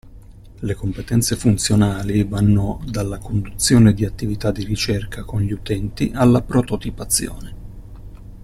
Le competenze funzionali vanno dalla conduzione di attività di ricerca con gli utenti alla prototipazione.